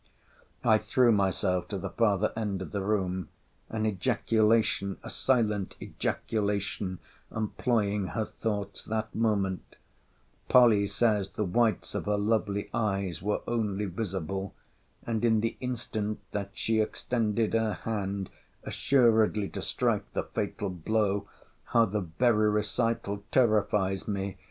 I threw myself to the farther end of the room. An ejaculation, a silent ejaculation, employing her thoughts that moment; Polly says the whites of her lovely eyes were only visible: and, in the instant that she extended her hand, assuredly to strike the fatal blow, [how the very recital terrifies me!